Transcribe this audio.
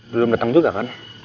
belum datang juga kan